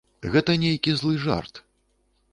Гэта нейкі злы жарт.